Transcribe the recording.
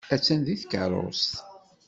Attan deg tkeṛṛust.